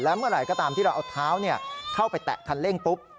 เมื่อไหร่ก็ตามที่เราเอาเท้าเข้าไปแตะคันเร่งปุ๊บ